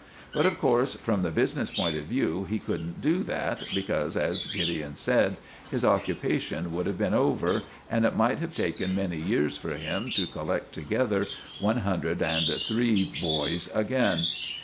But, of course, from the business point of view he couldn't do that, because, as Gideon said, his occupation would have been over, and it might have taken many years for him to collect together one hundred and three boys again.